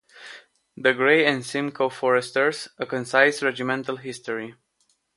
The Grey and Simcoe Foresters, A Concise Regimental History.